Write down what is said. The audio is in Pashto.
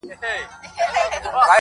ده هم وركړل انعامونه د ټگانو!!